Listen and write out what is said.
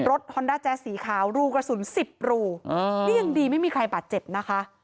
ฮอนด้าแจ๊สสีขาวรูกระสุน๑๐รูนี่ยังดีไม่มีใครบาดเจ็บนะคะ